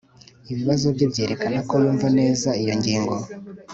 ibibazo bye byerekana ko yumva neza iyo ngingo